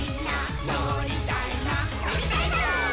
「のりたいぞ！」